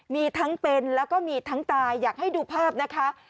มีทั้งเป็นแล้วก็มีทั้งตายอยากให้ดูภาพนะคะ